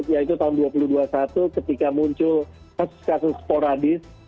yaitu tahun dua ribu dua puluh satu ketika muncul kasus kasus sporadis